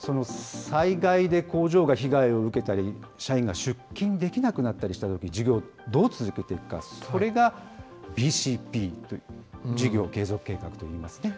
災害で工場が被害を受けたり、社員が出勤できなくなったりしたとき、事業をどう続けていくか、それがＢＣＰ・事業継続計画といいます。